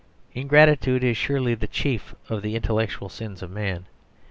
Ingratitude is surely the chief of the intellectual sins of man.